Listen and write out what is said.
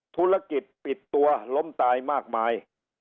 ธุรกิจปิดตัวล้มตายมากมาย